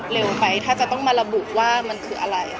เร็วไปถ้าจะต้องมาระบุว่ามันคืออะไร